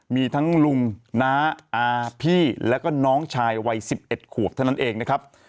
มีทั้งลุงน้าอาพี่แล้วก็น้องชายวัย๑๑ขวบเท่านั้นเองนะครับ